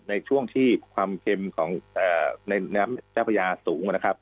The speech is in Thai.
ในช่วงที่ความเค็มของในน้ำเจ้าพระยาสูงนะครับ